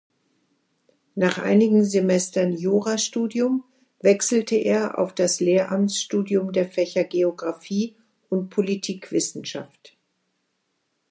Nach einigen Semestern Jurastudium wechselte er auf das Lehramtsstudium der Fächer Geographie und Politikwissenschaft.